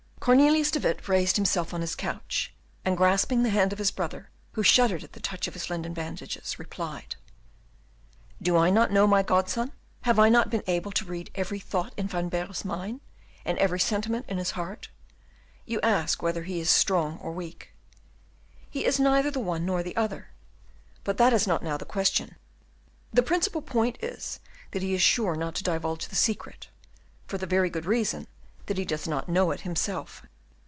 Cornelius de Witt, raising himself on his couch, and grasping the hand of his brother, who shuddered at the touch of his linen bandages, replied, "Do not I know my godson? have not I been enabled to read every thought in Van Baerle's mind, and every sentiment in his heart? You ask whether he is strong or weak. He is neither the one nor the other; but that is not now the question. The principal point is, that he is sure not to divulge the secret, for the very good reason that he does not know it himself."